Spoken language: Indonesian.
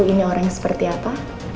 aku ini orangnya seperti apa